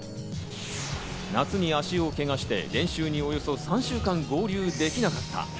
夏に足をけがして練習におよそ３週間合流できなかった。